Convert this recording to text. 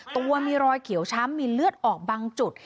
ตัวมีรอยเขียวช้ำมีเลือดออกบางจุด